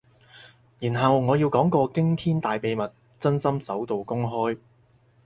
然後我要講個驚天大秘密，真心首度公開